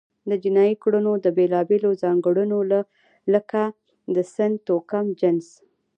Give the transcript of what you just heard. د جنایي کړنو د بیلابېلو ځانګړنو لکه د سن، توکم، جنس،